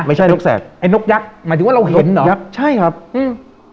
นกแสกไอ้นกยักษ์หมายถึงว่าเราเห็นเหรอยักษ์ใช่ครับอืม